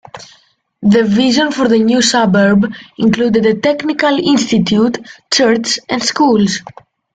The vision for the new suburb included a technical institute, church and schools.